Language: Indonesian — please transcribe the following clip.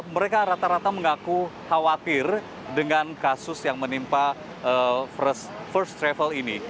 mereka rata rata mengaku khawatir dengan kasus yang menimpa first travel ini